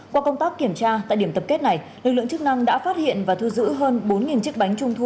qua công tác kiểm tra tại điểm tập kết này lực lượng chức năng đã phát hiện và thu giữ hơn bốn chiếc bánh trung thu